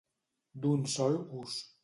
D'un sol ús.